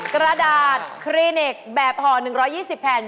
กระดาษคลินิกแบบห่อ๑๒๐แผ่น